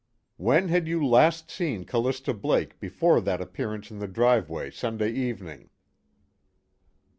"When had you last seen Callista Blake before that appearance in the driveway Sunday evening?"